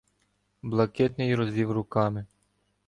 Блакитний розвів руками.